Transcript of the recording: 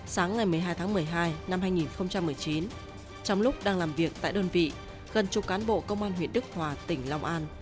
sáng ngày một mươi hai tháng một mươi hai năm hai nghìn một mươi chín trong lúc đang làm việc tại đơn vị gần chục cán bộ công an huyện đức hòa tỉnh long an